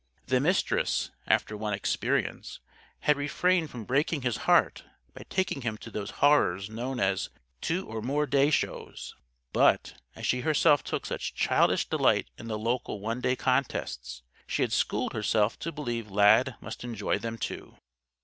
The Mistress, after one experience, had refrained from breaking his heart by taking him to those horrors known as "two or more day Shows." But, as she herself took such childish delight in the local one day contests, she had schooled herself to believe Lad must enjoy them, too.